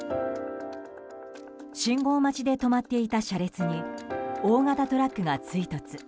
信号待ちで止まっていた車列に大型トラックが追突。